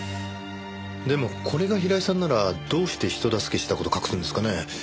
でもこれが平井さんならどうして人助けした事隠すんですかね？